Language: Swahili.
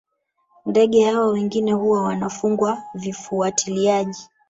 Ndege hawa wengine huwa wanafungwa vifuatiliaji